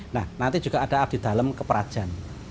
nah nanti juga ada abdi dalam keperajan